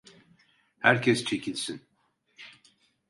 Herkes çekilsin.